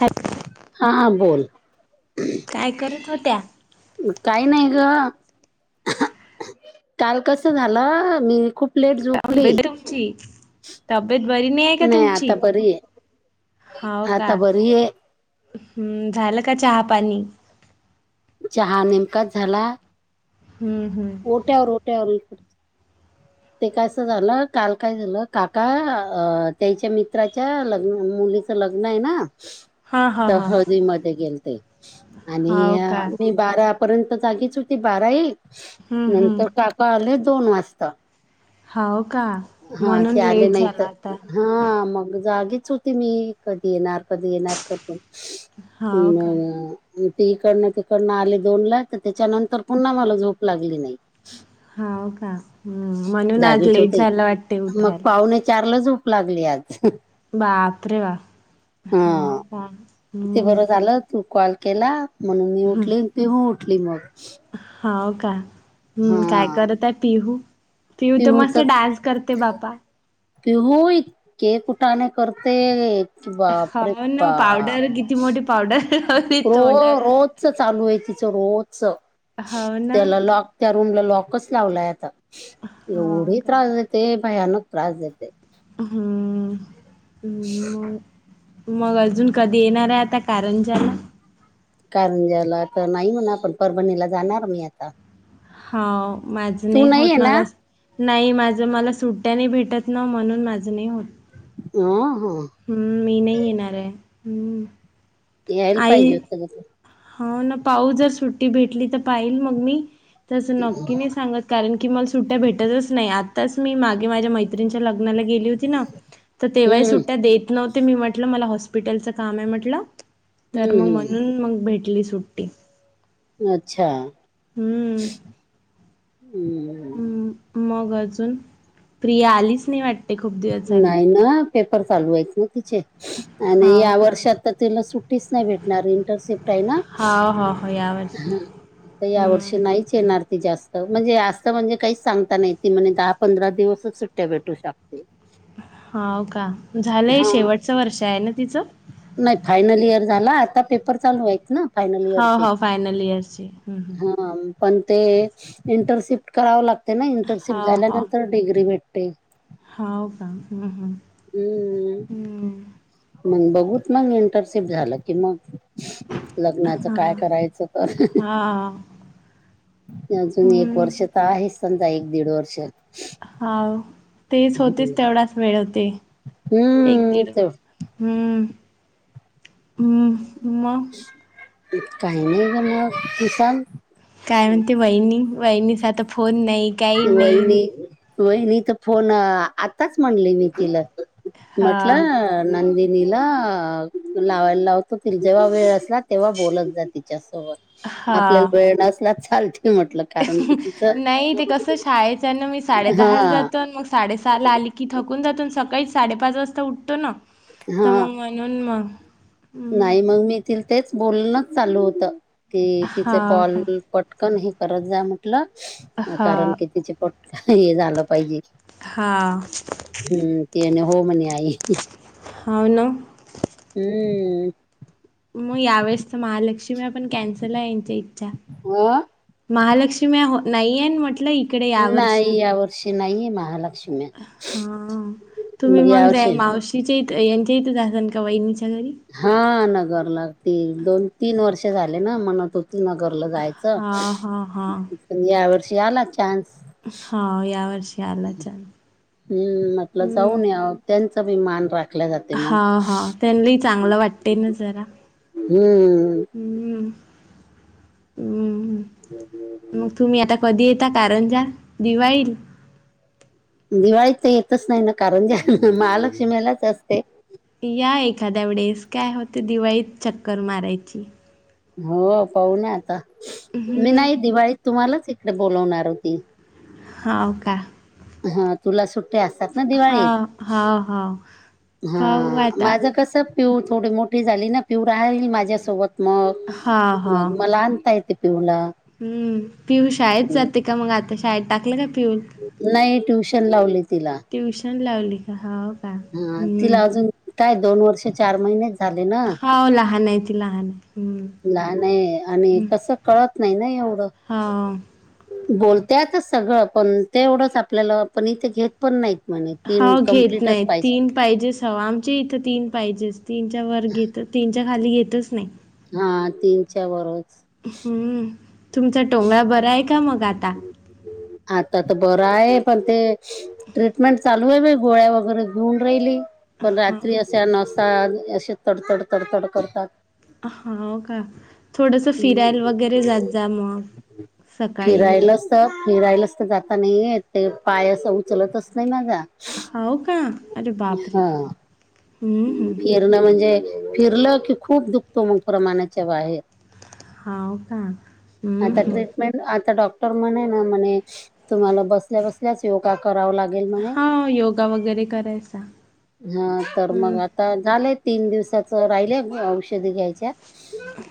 हॅप हाहा बोल काय करत होत्या? ऊ काही नाही ग अहख अह काल कस झालं मी खूप लेट झोपली ची च [unintelligible] तब्येत बरी नाहीये का नाही तुमची?.. आता बरी हाव आहे का? आता बरी आहे हम्म झालं का चहा पाणी? चहा नेमकाच झाला. हम्म हम्म. [unintelligible] ते कस झालं काल काय झालं काका अं त्याच्या मित्राच्या लग्न [unintelligible] लग्न आहे ना, हा हा त हा हळदी मधे गेलते आणि हाव का भिं बारायपर्यंत जागीच होती बाराई, हम्म हम्म नंतर काका आले दोन वाजता. हाव का हा ते म्हणून आले लेट नाही झाला तर आता. हा मग जागीच होती मी कधी येणार कधी येणार करून. हाव का मग डुटी इकडनं तिकडनं आले दोन ला. त त्याच्यानंतर पुन्हा मला झोप लागली नाही. हाव का म्हणून आज जागीच लेट होते झालं वाट मग पावणे चारला झोप लागली आज. बापरे बाप, हा का? ते हम्म बरं झालं तू कॉल केला म्हणून मी उठली तेहू उठले मग. हाव का? हम्म काय हा करता पिहू? पिहू तर पिहूच मस्त डान्स करते बापा. पिहू इतके कुटाणे करते. बापरे हो ना बाप. पावडर किती मोठी पावडर लावली रो तोंडाला. रोज चालू आहे तिचं रोजच. हाव ना. त्याला लॉक त्या रूमला लॉकच लावलाय आता, हो एवढी का त्रास देते भयानक त्रास देते. हम्म [unintelligible] मग अजून कधी येणार आहे आता कारंजा ला. कारण ज्याला आता नाही म्हणा [unintelligible] परभणीला जाणार मी आता. हाव माझ तू नाही आहे होत ना मला नाही माझं मला सुट्ट्या नाही भेटत ना म्हणून माझं नाही होत. [unintelligible] हम्म. हम्म मी नाही येणार आहे हम्म. यायला पाहिजे आई होतं ग तू. हो ना पाऊ जर सुट्टी भेटली तर पाहिल मग मी, तस नक्की नाही सांगत. कारण की मला सुट्ट्या भेटतच नाही आत्ताच मी मागे माझ्या मैत्रीणीच्या लग्नाला गेली होती. तीना, तर तेव्हाही हम्म सुट्ट्या देत नव्हते मी म्हटलं मला हॉस्पिटलच काम आहे म्हटलं. तर हम्म मग हम्म म्हणून मग भेटली सुट्टी. अच्छा. हम्म. हम्. मग अजून, प्रिया आलीच नाही वाट [unintelligible] खूप दि नाही ना पेपर चालू आहेत ना तिचे आणि हाव या का वर्षात तर तिला सुट टीच नाही भेटणार इंटरशिप्ट आहे ना. हाव हो हो यावर्षी हा आता या वर्षी हम्म नाहीच येणार. जास्त म्हणजे असत म्हणजे काहीच सांगता नाही ती म्हणे दहा पंधरा दिवसच सुट्ट्या भेटू शकते. हाव का? झालंय हा शेवटचं वर्षा आहे ना तिचं. नाही फायनल इयर झाला आता पेपर चालू आहेत ना. फायनल हो इयरचे, हो फायनल इयरची हम्म हम्म हा. पण ते इंटरशिप्ट कराव लागते ना हा इंटरनशिप्ट हा झाल्यानंतर डिग्री भेटते. हाव का? हम्म हम्म हम्म. हम. मग बघूत मग इंटरशिप्ट झालं की मग. लग्नाचं काय करायचं अह अह आ अजून एक वर्ष तर आहे समजा एक दीड वर्षात हा तेच होतेच तेवढाच वेळ होते एक हम्म दीड म मग काही नाहीणार किसाल काय म्हणते वहिणी वहिणीचा आता फोन नाही काही नाही वहिनी वहिनी तर फोन आताच म्हणली मी तिला हा म्हटलं नंदिनीला लावायला लावतो त जेव्हा वेळ असला तेव्हा बोलत जा तिच्यासोबत हा आपल्याला वेळ असला चालत म्हटलं कारण कि तिचं नाही ते कसं शाळेच्यान मी साडे हा दहाला जातो मग साडे सहा ला आली की थकून जातो सकाळी साडेपाच वाजता उठतो ना तर म हा म्हणून म नाही मग मी ति तेच बोलणच चालू होत की तिच हा कॉल का पटकन हे करत जा म्हटलं कारण हा कि तिचे पटकन हे झालं पाहिजे हा हम्म तिम्हने होम्हने आई हावना हम्म मग यावेेळेस तर महालक्ष्म्या आपण कॅन्सल आहे यांच्या इच्छा अ महालक्ष्मया हो नाहीय म्हटलं इकडे नाही यावर्षी या वर्षी नाही महालक्ष हा तुम्ही मग त्या यावर्षी मावशीच्या इथ यांच्या इथेचजासान का वहिनीच्या घरी हा नगरला ते दोन तीन वर्ष झाले ना म्हणा तुन ती नगरला जायचं हा हा हा पण या वर्षी आला चान्स हा या वर्षी आला छान हम्म म्हटलं हम्म जाऊन येव त्यांचा भी मान राखत हा हा त्यांनाही चांगलं वाटते ना जरा हम्म हम् हम् मग तुम्ही आता कधी येेतता कारंजा दिवाळील दिवाळी तर येतच नाही ना कारणजी महालक्ष्मीलाच असते या एखाद्या वेळेस काय होते दिवाळीत चक्कर मारायची हो पाहुना आता मी हम्म. नाही दिवाळीत तुम्हालाच इकडे बोलवणार होती हा हो का हा तुला सुट्टया असतात ना दिवाळीत हाव, हाव, हाव. पाहू हा आता. माझं कस पिऊ थोडी मोठी झाली ना पिऊ राहीली माझ्यासोबत मग हाव, हाव. मग मला आणता येते पिऊला हम्म पिऊ शाळेत जाते का मग आता शाळेत टाकलं का पिऊ नाही ट्युशन लावली तिला ट्यूशन लावली का हाव हा हम तिला अजून काय दोन वर्ष चार महिनेच झाले ना हाव लहान आहे ति लहान आहे हम्म. लहान य आहे आणि हं. कसं कळत नाही ना एवढं हाव. बोलते आता सगळं पण तेवढंच आपल्याला पण इथे घेत पण नाहीत म्हणे तीन कम्प्लीटच पाहिजे पाहिजेस हवा आमचे इथं तीन पाहिजेस तीनच्या वर घेत तीनच्या खाली घेतच नाही हा तीनच्या वरच हम्म तुमचा टोंगळा बरा आहे का मग आता आता तर बरं आहे पण ते ट्रीटमेंट चालू आहे बाई गोळ्या वगैरे घेऊन राहिली पण हा रात्री अशा नसा असे तडतड तडतड करतात आंहांओका थोडंसं फिरायल वगैरे जात जा मग. सकाळी फिरायलासत फिरायलासत जाता नाइ येत ते पाय असं उचलतच नाई माजा. हाव का अरे बापरे हम्म हम्म फिरण म्हणजे फिरलं की खूप दुखतो मग प्रमानाच्या बाहेर हाव का आता हम्म ट्रीटमेंट आता डॉक्टर म्हण ना म्ह तुम्हाला बसल्या बस त्याच योगा कराव लागेल म्हणे हा योगा वगैरे करायचा हां तर मग हम्म आ अं झालंय तीन दिवसाचं राहिलय अ औषधी घ्यायच्यात.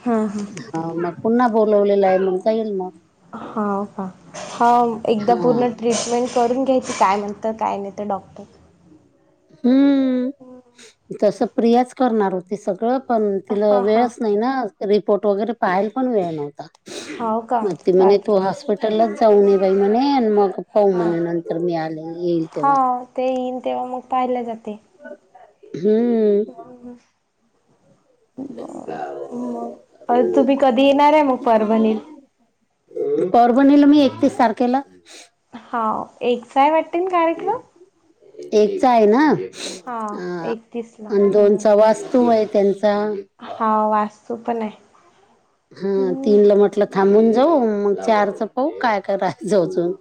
हम्म हम्म. हा मग पुन्हा बोलवलेलाय आहे मग जाईल मग. हा हा हा एकदा हा. पूर्ण ट्रीटमेंट करून घ्यायचं काय म्हणता काय नाही त डॉक्टर. हम्म. हो तसं प्रियाच करणार होती सगळं पण तिला हा हा वेळच नाही ना रिपोर्ट वगैरे पाहायला पण वेळ नव्हता हाव का मग ती म्हणे तू बापरे हॉस्पीट हॉटेललाच जाऊ न बाई म्हणे आणि मग पाहू हा म्हणे नंतर मी आले येईल हा तेव्हा ते येईल तेव्हा मग पाहिला जाते. हम्म ह्म ह्म बरं मग तुम्ही कधी येणार आहे मग परभणीत? परभनीला मी एकतीस तारखेला हाव एकचाय वाटतेल कार्यक्रम एकचा आहे ना हा अ एकतीस ला आणि हम्म. दोनचा वास्तू आहे त्यांचा, हा वास्तू पण आहे. हा तीन ला म्हटलं थांबून जाऊ मग चारच पाहू काय कराचं अजून.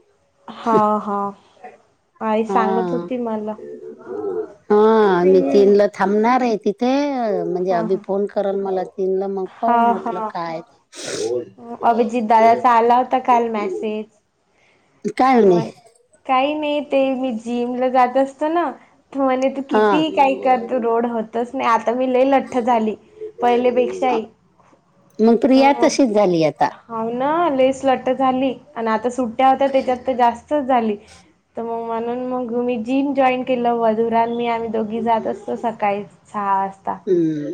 हा हा आई सांगत होती मला हां आणि तिनला थांबणार आहे तिथे म्हणजे हा अभी हा फोन करल मला तिनला मग पाहू हा म्हटलं हा हायत अभिजित दादाचा आला होता काल मेसेज, काय होणे मग काही नाही ते मी जिमला जात असतो ना तर म्हणे त हा किती काही कर तू रोड होतच नाही आता मी लई लठ्ठ झाली. पहिले पेक्षाही मग प्रिया तशीचं झाली आता. हाव ना लईचं लट्ट झाली आणि आता सुट्ट्या होत्या त्याच्यात तर जास्तच झाली. तर मग म्हणून मग मी जिम जॉईन केलं मधुरा आणि आणि मी आम्ही दोघी जात असतो सकाळीच. सहा वाजता. हम्म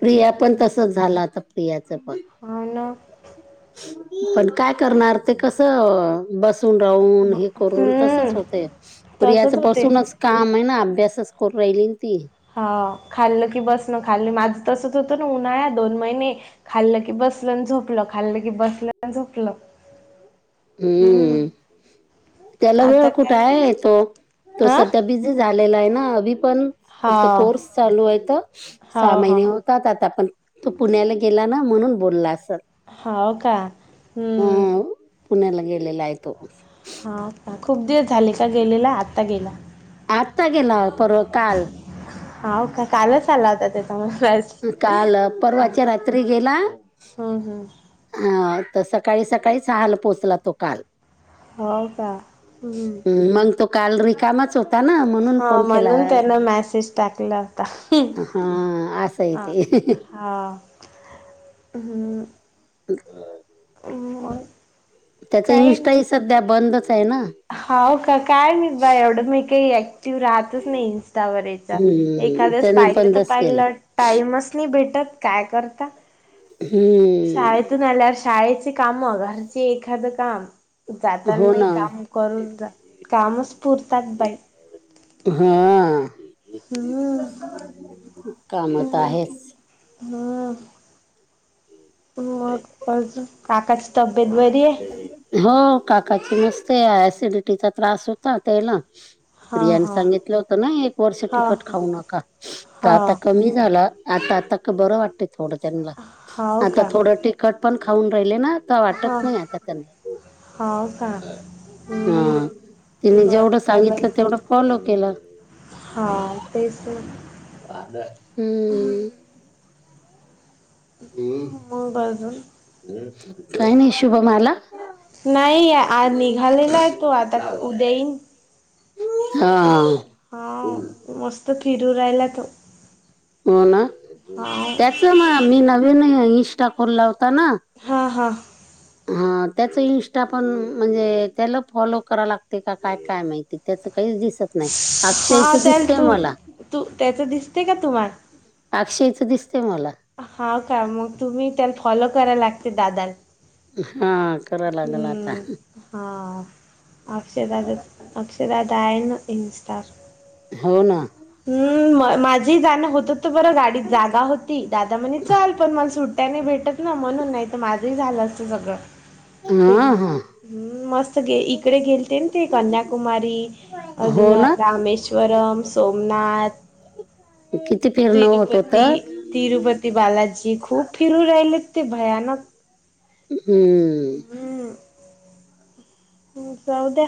प्रिया पण तसच झालं आता प्रियाचं पण हो ना पण काय करणार ते कस बस सून राहून ब हे करून तसचं हम्म होतय तसच प्रियाचं होते. बसूनच काम हेना अभ्यास स्कूरून राहिली ना ती. ह खाल्लं की बसन खाल्ल माझं तसंच होतं ना उन्हाळ्यात दोन महिने खाल्ल की बसलं आणि झोपलं खाल्लं की बसलं आणि झोपलं. हम्म त्याला वेळ आता कुठे काही नाही. आहे तो तो अ सध्या बीझी झालेला आहे ना अभी पण हो ते कोर्स चालू आहे हो सहा हो महिने त्यात आता पण तो पुण्याला गेला ना म्हणून बोलला असलं. हाव का हम् पुण्याला गेलेलायतो हां खूप दिवस झाले का गेलेला आत्ता गेला? आत्ता गेला पर परवा काल हाव का कालच आला होता त्याचा मला काल परवाच्या रात्री गेला हम् हम् हा तर सकाळी सकाळीच हहाल पोचला तो काल हो का हं ह् मंग तो काल रिकामच होता ता ना म्हणून फोन हां केला म्हणून त्यानं मॅसेज टाकला होता हा असं य हां ते हां हम हा हम् त्याचा इंस्टा ह सध्या बंदच आहे ना होा का काय म बा एवढं मी काही ऍक्टिव राहतच नाही इंस्टावर याच हम्म एखादेस त्यांनी पाहिलं तर बंदच केला पाहिलं टाईमच नाही भेटत काय करता हम्म शाळेतून आल्या शाळेचे काम घरचे एखादं काम हो जाताना ना काम करून ज कामच पुरतात बाई हा हम्म कामत आहेच हा मग आकाश डबेत बरी आहे हो काकाची मस्त सिडिटीचा त्रास होता त्याला हा प्रियांने हा सांगितलं होतं ना एक वर्ष हा तिकट हा खाऊ नका तर आता हा कमी झाला आता आता बरं वाटते थोडं त्यांना हाव आता का थोडं तिखट पण खाऊन राहिले ना वाटत हा नाही आता त्यांना हाव का हा हम्म तिने बरं जेवढं झालं सांगितलं तेवढं फॉलो केलं हा तेच अ हम्म मग अजून काही नाही शुभमला नाही आ निघालेला आहे तो आता उद्याईन हा हा मस्त फिरू राहिला त हो ना त्याच मग मी नवीन इशा खोलला होता ना हा हां हा त्याचं इंस्टा पण म्हणजे त्याला फॉलो कराव लागते का काय काय माहितीय त्याचं काहीच दिसत नाही अक्षयच हा त्याल दिसतय तू मला तू त्याचं दिसते का तुम्हाला अशयच दिसते मला हा का मग तुम्ही त्याला फॉलो करायला लागते दादाला हा हम्म हां अक्षरदादा अक्षरदादा आहे ना इनस्टार हो ना हम्म माझी जाण होत बर गाडीत जागा होती. दादा म्हणे चल. पण माले सुट्टया नाही भेटत. ना म्हणून. नाही तर माझही झाल असत सगळ. हा हा हम्म मस्त गे इकडे गेलते ना ते. कन्याकुमारी अजून हो ना. रामेश्व श्वरम सोमनाथ किती फिरण होत होत. तिरुपती तिरुपती बालाजी खूप फिरू राहिलेत ते भयानक. हम्म हम्म जाऊ द्या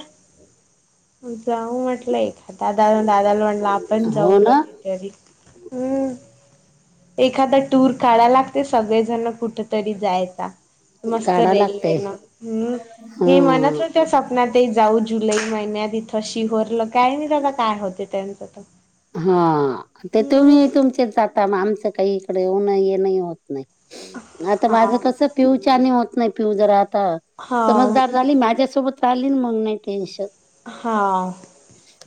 जाऊ म्हटल एक दादा दादाला म्हणल आपण जाऊ हो ना. म्हटल कधी तरी. हम्म एखादा टूर काढयला लागते सगळेजण कुठ तरी जायचा. मस्त काढावं लागतंय. रेल्वेन. हम्म हे म्हणत हां. होते ना ते जाऊ जुलै महिन्यात इथ शिहोरला. काय माहित आता काय होते त्यांच तर. हा ते तुम्ही हम्म तुमचे जाता. आमच काही इकडे येऊन येनही होत नाही. आता माझ हा कस पिऊचान होत नाही. पिऊ जरा आता हा समजदार झाली. माझ्यासोबत राहिली मग नाही टेन्शन. हा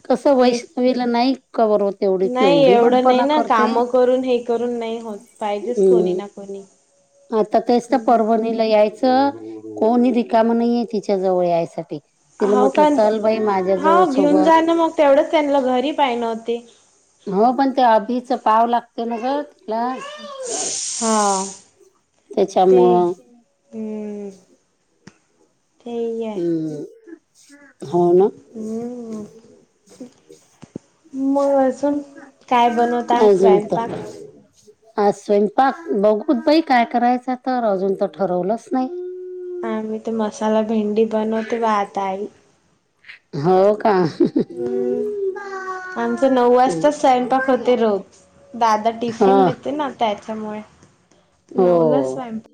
कस तेच वैष्णवीला नाही कव्हर होत. एवढी नाही केवढी एवढ नाही बनपणा ना. करते काम करून हे करून नाही होत. पाहिजेच कोणी हम्म ना कोणी. आता तेच तर हम्म परवणीला यायच. कोणी रिकाम नाहीये तिच्या जवळ यायसाठी. तिला हो म्हटल का चल बाई माझ्या जो सोबत. तेवढच त्यांना घरी पाहिन ना वो ती. हो पण ते अभीच पाहव लागत ना ग. हा ते त्याच्यामुळ हम्म तेही आहे हम्म हो ना. हम्म मग अजून काय बनवता अजून स्वयंपाक. तर आज स्वयंपाक बघूत बाई काय करायच तर. अजून तर ठरवलंच नाही. आ मी ते मसाला भेंडी बनवते वाहता आई. हो का हम्म आमच नऊ वाजताच स्वयंपाक होते रोज. दादा हा टिफिन नेते ना. त्याच्यामुळे नऊलाच हो. स्वयंपाक